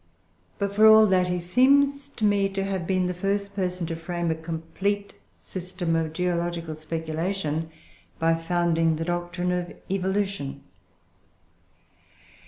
But for all that, he seems to me to have been the first person to frame a complete system of geological speculation by founding the doctrine of evolution.